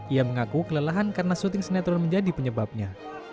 ia mengaku kelelahan karena syuting sinetron menjadi penyebabnya